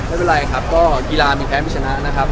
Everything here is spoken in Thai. ไม่เป็นไรครับก็กีฬามีแพ้มีชนะนะครับ